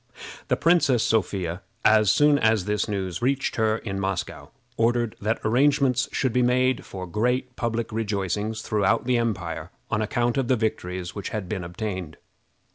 The Princess Sophia, as soon as this news reached her in Moscow, ordered that arrangements should be made for great public rejoicings throughout the empire on account of the victories which had been obtained.